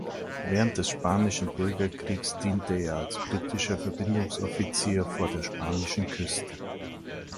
Während des Spanischen Bürgerkriegs diente er als britischer Verbindungsoffizier vor der spanischen Küste.